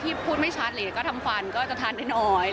ที่พูดไม่ชัดเลยก็ทำฟันก็จะยกได้น้อย